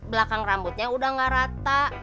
belakang rambutnya udah gak rata